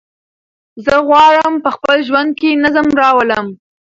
زه غواړم په خپل ژوند کې نظم راولم.